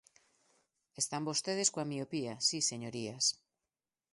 Están vostedes coa miopía, si, señorías.